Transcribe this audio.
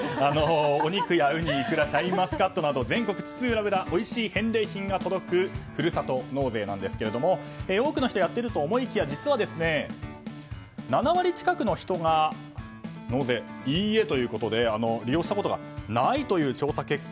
お肉やウニ、イクラシャインマスカットなど全国津々浦々おいしい返礼品が届くふるさと納税ですが多くの人がやっていると思いきや実は７割近くの人がいいえということで利用したことがないという調査結果。